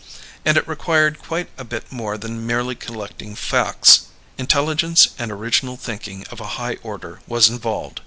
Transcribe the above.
And it required quite a bit more than merely collecting facts. Intelligence and original thinking of a high order was involved."